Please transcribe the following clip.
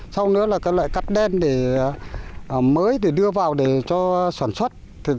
sau nữa là các loại cắt đen để mới để đưa vào để cho sản xuất